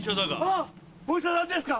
あっお医者さんですか？